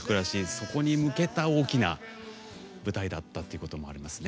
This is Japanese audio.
そこに向けた大きな舞台だったということもありますね。